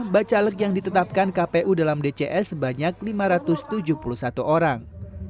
bacalek yang ditetapkan kpu dalam dcs sebanyak lima ratus tujuh puluh satu orang